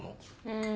うん。